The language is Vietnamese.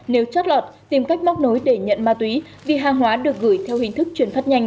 nếu chót lọt tìm cách móc nối để nhận ma túy vì hàng hóa được gửi theo hình thức chuyển phát nhanh